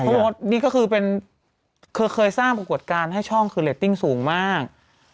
ยกคือเป็นคือเคยสร้างขวดการให้ช่องคิดเระติ้งสูงมาก